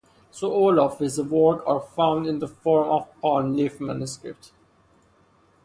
So all of his works are found in the form of Palm leaf manuscript.